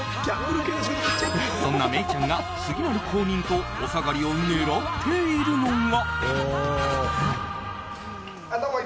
そんなメイちゃんが次なる公認とお下がりを狙っているのが。